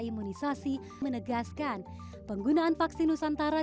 imunisasi menegaskan penggunaan vaksin nusantara